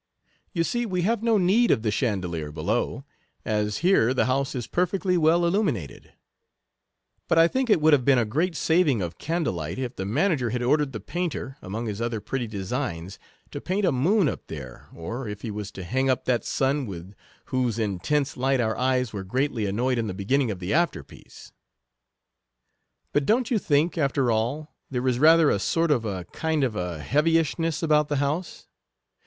You see we have no need of the chandelier below, as here the house is perfectly well illumi nated ; but I think it would have been a great saving of candle light, if the manager had ordered the painter, among his other pretty designs, to paint a moon up there, or if he was to hang up that sun with whose in tense light our eyes were greatly annoyed in the beginning of the after piece ?"" But don't you think, after all, there is ra 32 ther a— sort of a— kind of a heavyishness about the house?